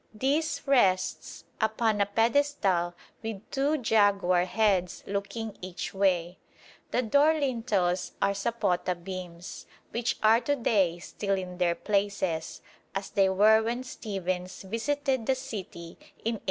This rests upon a pedestal with two jaguar heads looking each way. The door lintels are sapota beams, which are to day still in their places, as they were when Stephens visited the city in 1842.